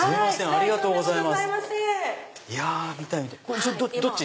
ありがとうございます。